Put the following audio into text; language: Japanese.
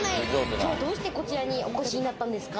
きょう、どうしてこちらにお越しになったんですか？